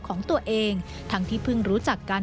ของตัวเองทั้งที่เพิ่งรู้จักกัน